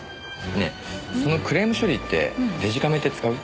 ねえそのクレーム処理ってデジカメって使う？